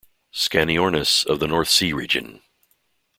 "Scaniornis" of the North Sea region.